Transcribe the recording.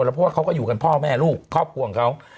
เพราะว่าเขาก็อยู่กันพ่อแม่ลูกครอบครัวของเขา